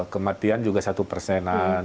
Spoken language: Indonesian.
kematian juga satu persenan